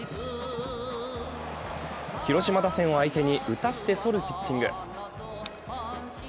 広島打線を相手に打たせて取るピッチング。